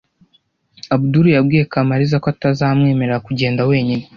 Abudul yabwiye Kamariza ko atazamwemerera kugenda wenyine.